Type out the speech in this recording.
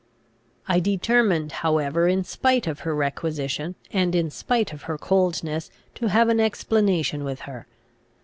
I determined however, in spite of her requisition, and in spite of her coldness, to have an explanation with her.